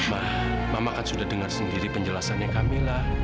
ma mama kan sudah dengar sendiri penjelasannya kamila